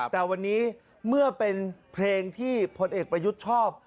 แต่วันนี้เมื่อเป็นเพลงที่พลเอกประยุทธ์ชอบ